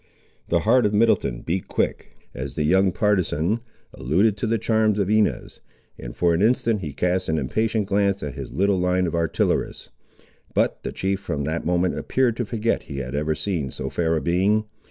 The heart of Middleton beat quick, as the young partisan alluded to the charms of Inez, and for an instant he cast an impatient glance at his little line of artillerists; but the chief from that moment appeared to forget he had ever seen so fair a being.